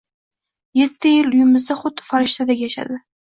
Yetti yil uyimizda xuddi farishtadek yashadi.